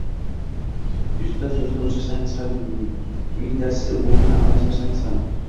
yuzta so’zni o’chirsangiz ham, mingtasi o’rnini almashtirsangiz ham